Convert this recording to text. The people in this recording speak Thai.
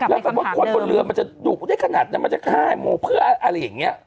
แล้วแบบว่าคนบนเรือมันจะดุได้ขนาดนั้นมันจะค่ายโมเพื่ออะไรอย่างนี้